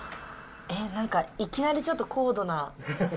なんか、いきなりちょっと高度な。